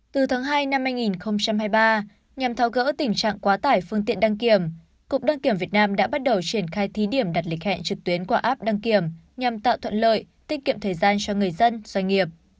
từ tháng hai năm hai nghìn hai mươi ba nhằm tháo gỡ tình trạng quá tải phương tiện đăng kiểm cục đăng kiểm việt nam đã bắt đầu triển khai thí điểm đặt lịch hẹn trực tuyến qua app đăng kiểm nhằm tạo thuận lợi tiết kiệm thời gian cho người dân doanh nghiệp